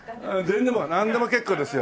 全然もうなんでも結構ですよ。